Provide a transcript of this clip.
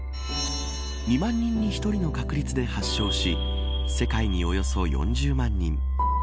２万人に１人の確率で発症し世界におよそ４０万人